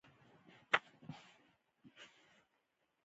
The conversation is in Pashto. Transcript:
احمد ته مې په نیمه خبره کتاب ورکړ.